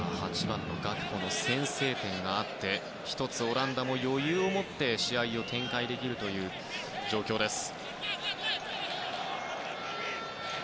８番のガクポの先制点があって１つオランダも余裕を持って試合を展開できるという状況です。